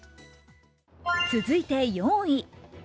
続いて４位。